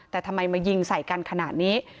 แต่ทำไมมายิงใส่กันขนาดนี้